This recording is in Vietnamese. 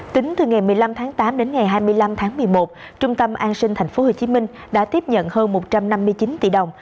tính từ ngày một mươi năm tháng tám đến ngày hai mươi năm tháng một mươi một trung tâm an sinh tp hcm đã tiếp nhận hơn một trăm năm mươi chín tỷ đồng